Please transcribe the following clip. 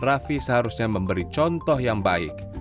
raffi seharusnya memberi contoh yang baik